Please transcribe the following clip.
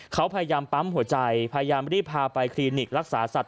เขาพยายามปั๊มหัวใจพยายามรีบพาไปคลินิกรักษาสัตว